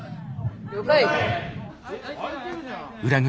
了解。